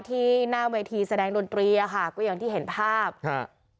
ที่หน้าเวทีแสดงดนตรีอ่ะค่ะก็อย่างที่เห็นภาพฮะ